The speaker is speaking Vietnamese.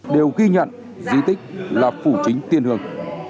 đều ghi nhận di tích là phủ chính tiên hương